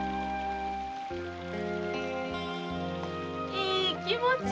いい気持ち！